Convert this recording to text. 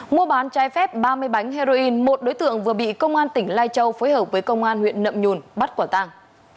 mua bán trái phép ba mươi bánh heroin một đối tượng vừa bị công an tỉnh lai châu phối hợp với công an huyện nậm nhùn bắt quả tàng